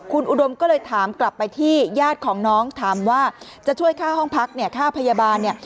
คุณอุดมก็เลยถามกลับไปที่ญาติของน้องถามว่าจะช่วยค่าห้องพักเนี่ยค่าพยาบาลเนี่ย